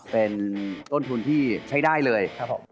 เป็นต้นทุนที่ใช้ได้เลย